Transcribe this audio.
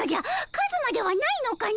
カズマではないのかの！